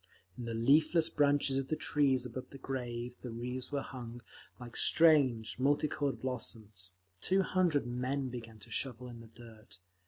In the leafless branches of the trees above the grave the wreaths were hung, like strange, multi coloured blossoms. Two hundred men began to shovel in the dirt.